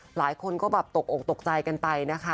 หลายคนก็แบบตกอกตกใจกันไปนะคะ